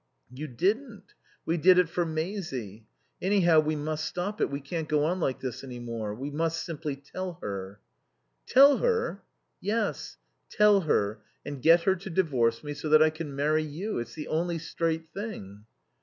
"You didn't. We did it for Maisie. Anyhow, we must stop it. We can't go on like this any more. We must simply tell her." "Tell her?" "Yes; tell her, and get her to divorce me, so that I can marry you. It's the only straight thing."